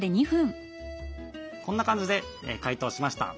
こんな感じで解凍しました。